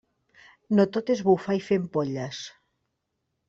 No tot és bufar i fer ampolles.